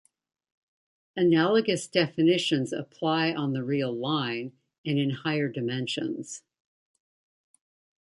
Analogous definitions apply on the real line, and in higher dimensions.